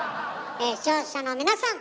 視聴者の皆さん